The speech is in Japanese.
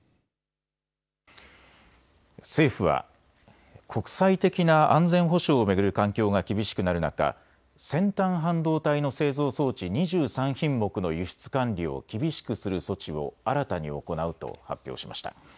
政府は国際的な安全保障を巡る環境が厳しくなる中、先端半導体の製造装置２３品目の輸出管理を厳しくする措置を新たに行うと発表しました。